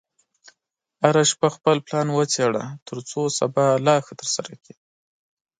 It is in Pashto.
هره شپه خپل پلان وڅېړه، ترڅو سبا لا ښه ترسره کړې.